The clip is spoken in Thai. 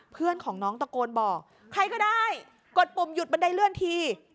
เพื่อนของน้องตะโกนบอกใครก็ได้กดปุ่มหยุดบันไดเลื่อนที